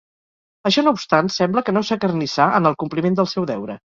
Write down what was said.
Això no obstant, sembla que no s'acarnissà en el compliment del seu deure.